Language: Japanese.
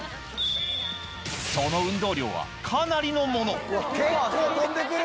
その運動量はかなりのもの。